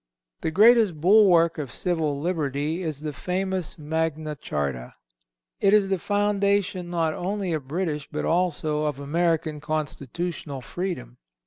The greatest bulwark of civil liberty is the famous Magna Charta. It is the foundation not only of British, but also of American constitutional freedom.